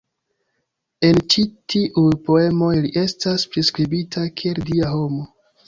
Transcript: En ĉi tiuj poemoj li estas priskribita kiel dia homo.